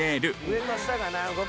「上と下な」